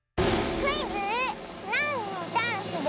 クイズ「なんのダンスでしょう」！